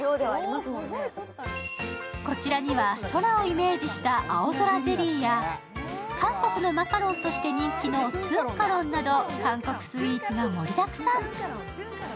こちらには空をイメージした青空ゼリーや、韓国のマカロンとして人気のトゥンカロンなど韓国スイーツが盛りだくさん。